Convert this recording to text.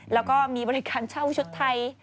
แล้วก็มีบริการเช่าชุดไทย